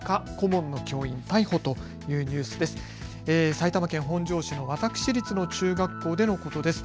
埼玉県本庄市の私立の中学校でのことです。